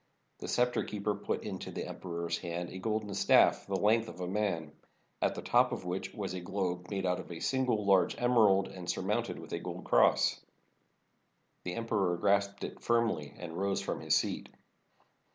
The scepter keeper put into the emperor's hand a golden staff the length of a man, at the top of which was a globe made out of a single large emerald, and sur mounted with a golden cross. The emperor grasped it firmly and rose from his seat.